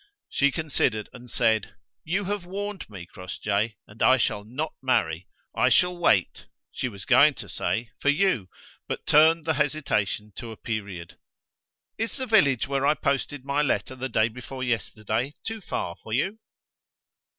She considered, and said: "You have warned me, Crossjay, and I shall not marry. I shall wait," she was going to say, "for you," but turned the hesitation to a period. "Is the village where I posted my letter the day before yesterday too far for you?"